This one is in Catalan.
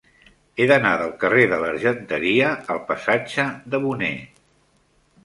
He d'anar del carrer de l'Argenteria al passatge de Boné.